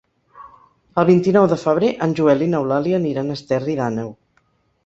El vint-i-nou de febrer en Joel i n'Eulàlia aniran a Esterri d'Àneu.